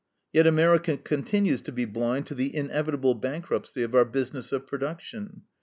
Yet America continues to be blind to the inevitable bankruptcy of our business of production.